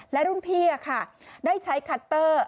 และรุ่นพี่ได้ใช้คัตเตอร์